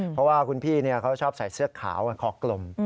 เพราะว่าคุณพี่เขาชอบใส่เสื้อขาวคอกลม